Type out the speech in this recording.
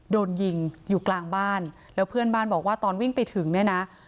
โดนยิงอยู่กลางบ้านแล้วเพื่อนบ้านบอกว่าตอนวิ่งไปถึงเนี่ยนะ